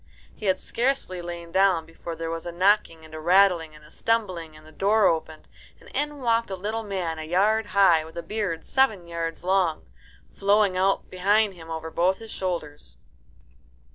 He had scarcely lain down before there were a knocking and a rattling and a stumbling, and the door opened, and in walked a little man a yard high, with a beard seven yards long flowing out behind him over both his shoulders.